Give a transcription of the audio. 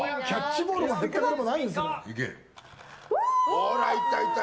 ほら、いったいった！